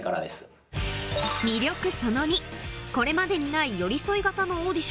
これまでにない寄り添い型のオーディション